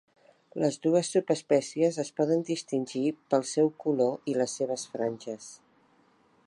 Les dues subespècies es poden distingir pel seu color i les seves franges.